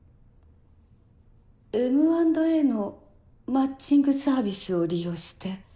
Ｍ＆Ａのマッチングサービスを利用して。